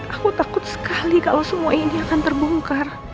aku takut sekali kalau semua ini akan terbongkar